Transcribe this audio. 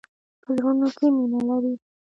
په زړونو کې مینه لری.